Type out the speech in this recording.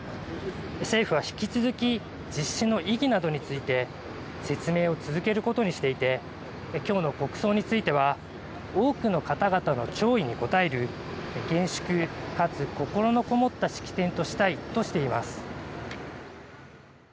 政府は引き続き実施の意義などについて説明を続けることにしていてきょうの国葬については多くの方々の弔意に応える厳粛かつ、心のこもった式典としたいとしています。